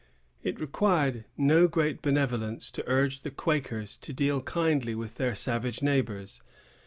It required no great benevolence to urge the Quakers to deal kindly with their savage neighbors.